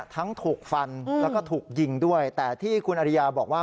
ทั้งถูกฟันแล้วก็ถูกยิงด้วยแต่ที่คุณอริยาบอกว่า